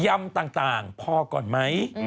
ยำต่างพอก่อนไหม